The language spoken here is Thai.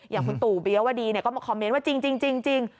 อย่างคุณตู่เบี้ยวว่าดีเนี่ยก็มาคอมเมนต์ว่าจริง